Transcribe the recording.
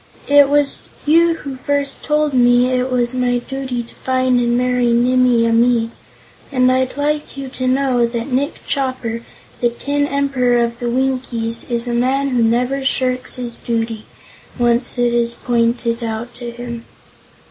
It was you who first told me it was my duty to find and marry Nimmie Amee, and I'd like you to know that Nick Chopper, the Tin Emperor of the Winkies, is a man who never shirks his duty, once it is pointed out to him."